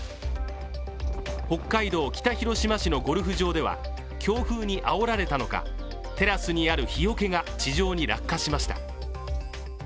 北海道北広島市のゴルフ場では強風にあおられたのかテラスにある日よけが地上に落下しました。